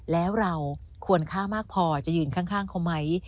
แล้วเราควรฆ่ามากพอจะยืนข้างเขาไหม